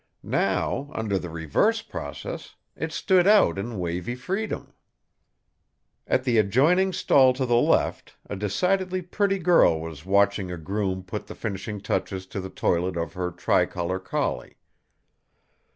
Now, under the reverse process, it stood out in wavy freedom. At the adjoining stall to the left a decidedly pretty girl was watching a groom put the finishing touches to the toilet of her tricolor collie.